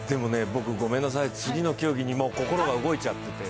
僕、ごめんなさい、次の競技に心が動いちゃってて。